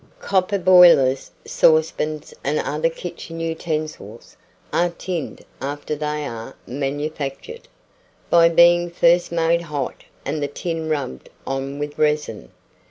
Copper boilers, saucepans, and other kitchen utensils, are tinned after they are manufactured, by being first made hot and the tin rubbed on with resin.